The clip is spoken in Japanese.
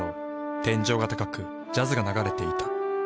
天井が高くジャズが流れていた。